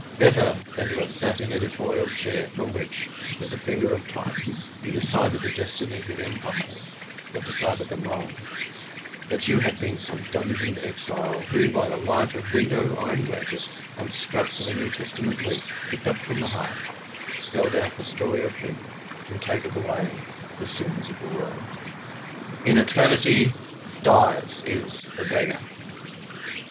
Better than to have sat in editorial chair, from which, with the finger of type, you decided the destinies of empires, but decided them wrong, that you had been some dungeoned exile, who, by the light of window iron grated, on scraps of a New Testament leaf, picked up from the hearth, spelled out the story of Him who taketh away the sins of the world. IN ETERNITY, DIVES IS THE BEGGAR!